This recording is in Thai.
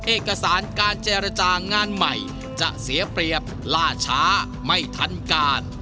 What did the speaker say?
เอกสารการเจรจางานใหม่จะเสียเปรียบล่าช้าไม่ทันการ